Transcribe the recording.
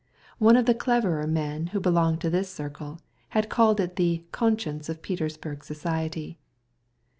One of the clever people belonging to the set had called it "the conscience of Petersburg society."